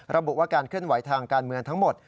ระบุว่าการเคลื่อนไหวทางการเมืองทั้งหมด